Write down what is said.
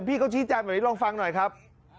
พี่เขาชี้แจงแบบนี้ลองฟังหน่อยครับ